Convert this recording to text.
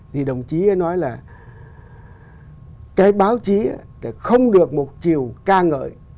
thì đồng chí ấy nói là cái báo chí không được một chiều ca ngợi